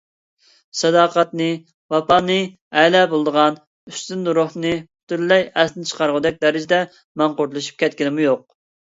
ساداقەتنى، ۋاپانى ئەلا بىلىدىغان ئۈستۈن روھىنى پۈتۈنلەي ئەستىن چىقارغۇدەك دەرىجىدە ماڭقۇرتلىشىپ كەتكىنىمۇ يوق.